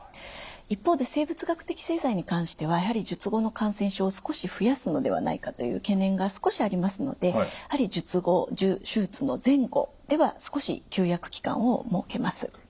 一方で生物学的製剤に関してはやはり術後の感染症を少し増やすのではないかという懸念が少しありますのでやはり手術の前後では少し休薬期間を設けます。